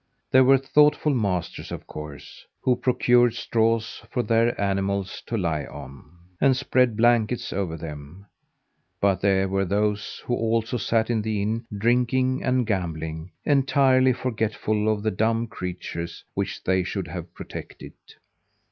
There were thoughtful masters, of course, who procured straw for their animals to lie on, and spread blankets over them; but there were those, also, who sat in the inn, drinking and gambling, entirely forgetful of the dumb creatures which they should have protected.